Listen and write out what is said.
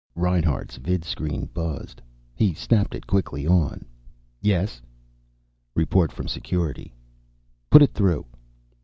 Reinhart's vidscreen buzzed. He snapped it quickly on. "Yes?" "Report from Security." "Put it through."